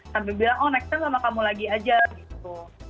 sampai bilang oh next sama kamu lagi aja gitu